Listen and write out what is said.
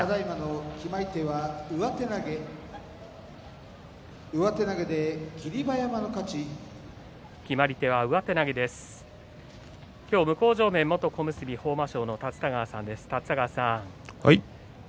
今日、向正面は元小結豊真将の立田川さんです。